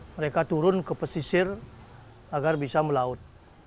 mereka turun ke pesisir agar bisa melaut